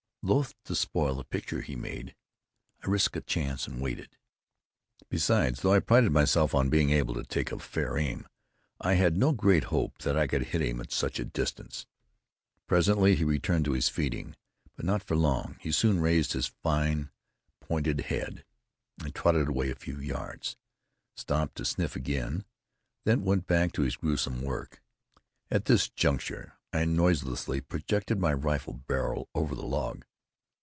Loth to spoil the picture he made, I risked a chance, and waited. Besides, though I prided myself on being able to take a fair aim, I had no great hope that I could hit him at such a distance. Presently he returned to his feeding, but not for long. Soon he raised his long, fine pointed head, and trotted away a few yards, stopped to sniff again, then went back to his gruesome work. At this juncture, I noiselessly projected my rifle barrel over the log.